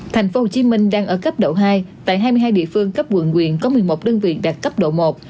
tp hcm đang ở cấp độ hai tại hai mươi hai địa phương cấp quận quyện có một mươi một đơn vị đạt cấp độ một